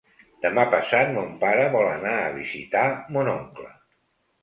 Demà passat mon pare vol anar a visitar mon oncle.